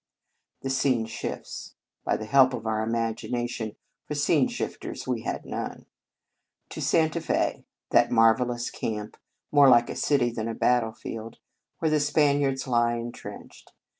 The scene shifts by the help of our imagination, for scene shifters we had none to Santa Fe, that marvel lous camp, more like a city than a battlefield, where the Spaniards lie entrenched.